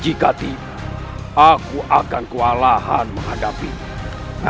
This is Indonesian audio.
jika tidak aku akan kewalahan menghadapinya